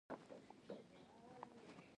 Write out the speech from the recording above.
له دې پرته استعمار لپاره بل څه په لاس نه ورتلل.